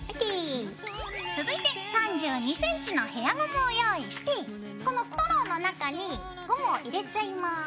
続いて３２ｃｍのヘアゴムを用意してこのストローの中にゴムを入れちゃいます。